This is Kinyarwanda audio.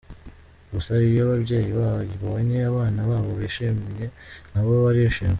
Gusa iyo ababyeyi babonye abana babo bishimye, nabo barishima.